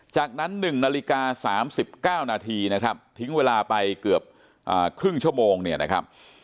จากนั้น๑นาฬิกา๓๙นาทีนะครับทิ้งเวลาไปเกือบครึ่งชั่วโมงเนี่ยนะครับ